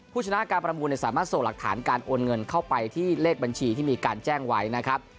ผู้ชนะการประมูลสามารถส่งหลักฐานการโอนเงินเข้าไปที่เลขบัญชีที่มีการแจ้งไว้นะครับ